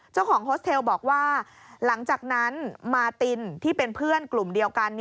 โฮสเทลบอกว่าหลังจากนั้นมาตินที่เป็นเพื่อนกลุ่มเดียวกัน